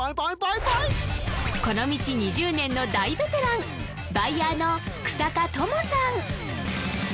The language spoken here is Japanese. この道２０年の大ベテランバイヤーの日下智さん